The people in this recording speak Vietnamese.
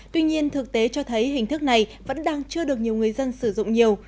tuy nhiên thực tế cho thấy hình thức này vẫn đang chưa được nhiều người dân sử dụng nhiều